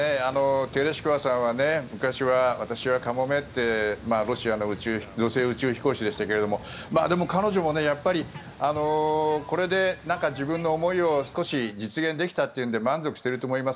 テレシコワさんは昔は、私はカモメってロシアの宇宙飛行士でしたけどでも、彼女もやっぱりこれで自分の思いを少し実現できたというので満足していると思います。